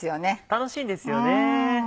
楽しいんですよね。